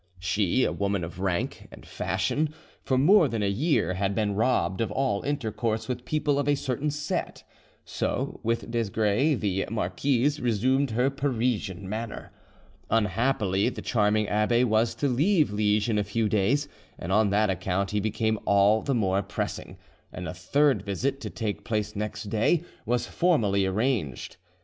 She, a woman of rank and fashion, for more than a year had been robbed of all intercourse with people of a certain set, so with Desgrais the marquise resumed her Parisian manner. Unhappily the charming abbe was to leave Liege in a few days; and on that account he became all the more pressing, and a third visit, to take place next day, was formally arranged.